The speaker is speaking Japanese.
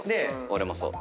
俺もそう。